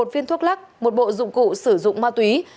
một viên thuốc lắc một bộ dụng cụ sử dụng ma túy